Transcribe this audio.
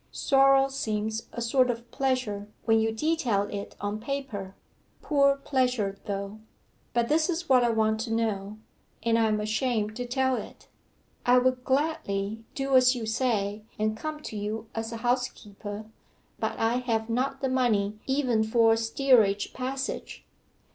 Sorrow seems a sort of pleasure when you detail it on paper poor pleasure though. 'But this is what I want to know and I am ashamed to tell it. I would gladly do as you say, and come to you as a housekeeper, but I have not the money even for a steerage passage.